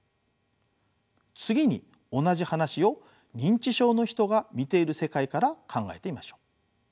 次に同じ話を認知症の人が見ている世界から考えてみましょう。